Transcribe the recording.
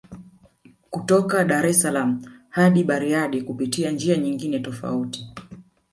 Kutoka Dar es salaaam hadi Bariadi kupitia njia nyingine tofauti